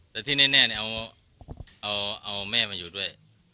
แต่ที่แน่เอาแม่มาอยู่ด้วย